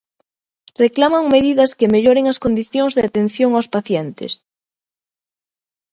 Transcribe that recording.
Reclaman medidas que melloren as condicións de atención aos pacientes.